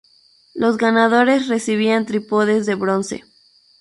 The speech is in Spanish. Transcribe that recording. Los ganadores recibían trípodes de bronce.